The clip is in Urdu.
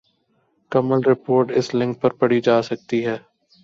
کمل رپورٹ اس لنک پر پڑھی جا سکتی ہے ۔